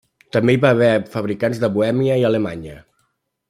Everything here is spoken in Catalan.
També hi va haver fabricants de Bohèmia i Alemanya.